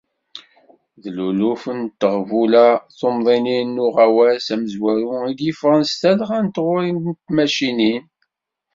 D luluf n teɣbula tumḍinin n uɣawas amezwaru i d-yeffɣen s talɣa n tɣuri n tmacinin.